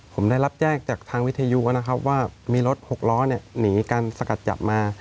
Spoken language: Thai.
ผมได้รับแจ้งจากทางวิทยุนะครับว่ามีรถหกล้อหนีการสกัดจับมา